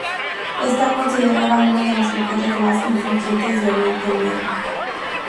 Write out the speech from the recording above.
Está considerada una de las mujeres más influyentes de Oriente Medio.